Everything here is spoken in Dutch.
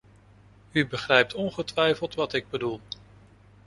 U begrijpt ongetwijfeld wat ik bedoel.